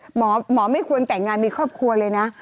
หมอไม่ควรแต่งงานมีครอบครัวเลยนะ